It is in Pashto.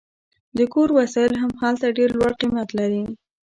د کور وسایل هم هلته ډیر لوړ قیمت لري